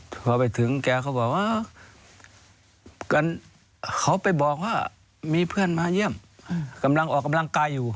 พอไปถึงแกเขาบอกว่าเขาไปบอกว่ามีเพื่อนมาเยี่ยมกำลังออกกำลังกายอยู่